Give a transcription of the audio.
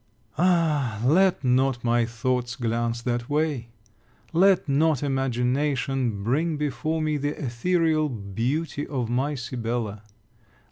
Ah, let not my thoughts glance that way! Let not imagination bring before me the etherial beauty of my Sibella!